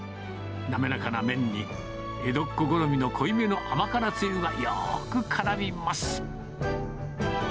滑らかな麺に、江戸っ子好みの濃いめの甘辛つゆがよーくからみます。